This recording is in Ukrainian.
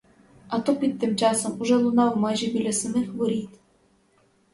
А тупіт тим часом уже лунав майже біля самих воріт.